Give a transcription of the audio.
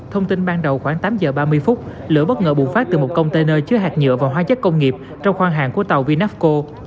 thông tin ban đầu khoảng tám giờ ba mươi phút lửa bất ngờ bùng phát từ một container chứa hạt nhựa và hóa chất công nghiệp trong khoang hàng của tàu vinapco